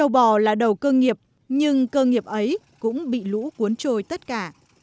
bò là đầu cơ nghiệp nhưng cơ nghiệp ấy cũng bị lũ cuốn trôi tất cả